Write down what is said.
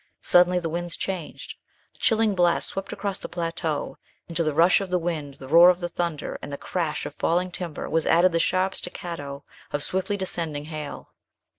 Suddenly the winds changed, a chilling blast swept across the plateau, and to the rush of the wind, the roar of the thunder, and the crash of falling timber was added the sharp staccato of swiftly descending hail.